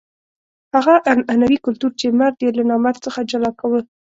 هغه عنعنوي کلتور چې مرد یې له نامرد څخه جلا کاوه.